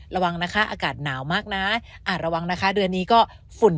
ระวังนะคะอากาศหนาวมากนะระวังนะคะเดือนนี้ก็ฝุ่น